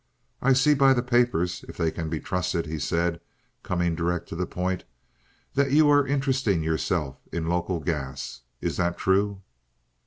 "I see by the papers, if they can be trusted," he said, coming direct to the point, "that you are interesting yourself in local gas. Is that true?"